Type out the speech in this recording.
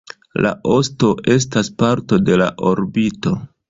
La osto estas parto de la orbito.